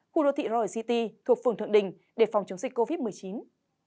khu đô thị roi city thuộc phường thượng đình để phòng chống dịch covid một mươi chín